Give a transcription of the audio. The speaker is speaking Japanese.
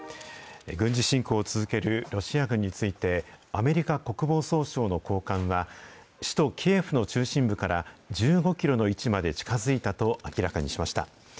軍事侵攻を続けるロシア軍について、アメリカ国防総省の高官は、首都キエフの中心部から１５キロの位置まで近づいたと明らかにしました。